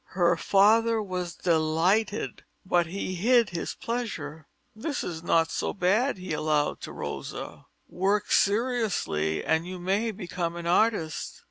Her father was delighted, but he hid his pleasure. "That is not so bad," he allowed to Rosa. "Work seriously, and you may become an artist."